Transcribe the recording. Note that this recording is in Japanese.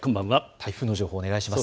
台風の情報をお願いします。